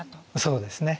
そうですね。